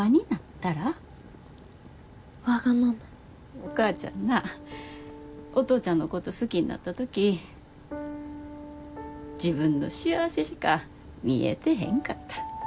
お母ちゃんなお父ちゃんのこと好きになった時自分の幸せしか見えてへんかった。